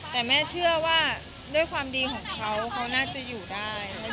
แต่แม่เชื่อว่าด้วยความดีของเขาเขาน่าจะอยู่ได้